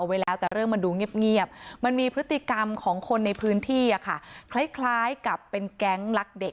ไว้แล้วแต่เรื่องมันดูเงียบมันมีพฤติกรรมของคนในพื้นที่คล้ายกับเป็นแก๊งลักเด็ก